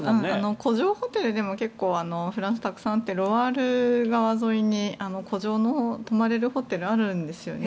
古城ホテルでも結構、フランスはたくさんあってロワール川沿いに古城の泊まれるホテルがあるんですよね。